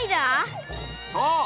そう！